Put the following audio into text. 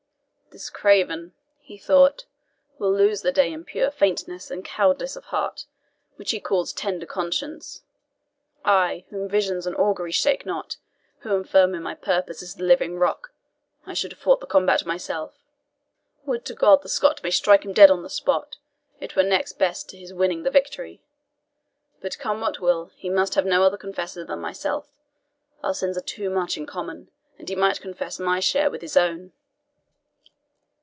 "This craven," he thought, "will lose the day in pure faintness and cowardice of heart, which he calls tender conscience. I, whom visions and auguries shake not who am firm in my purpose as the living rock I should have fought the combat myself. Would to God the Scot may strike him dead on the spot; it were next best to his winning the victory. But come what will, he must have no other confessor than myself our sins are too much in common, and he might confess my share with his own."